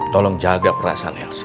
tolong jaga perasaan elsa